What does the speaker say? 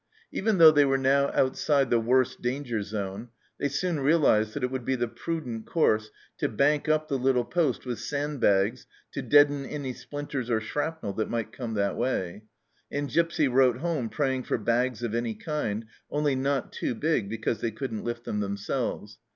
Even though they were now outside the worst danger zone, they soon realized that it would be the prudent course to bank up the little poste with sand bags to deaden any splinters or shrapnel that might come that way, and Gipsy wrote home praying for bags of any kind, only not too big, because they couldn't lift them themselves.